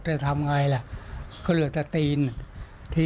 แต่ที่จะถามลงมือนั่น๕คน